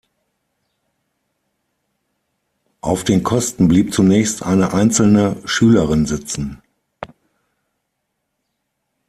Auf den Kosten blieb zunächst eine einzelne Schülerin sitzen.